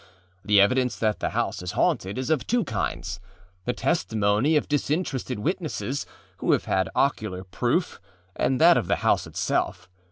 The evidence that the house is haunted is of two kinds: the testimony of disinterested witnesses who have had ocular proof, and that of the house itself.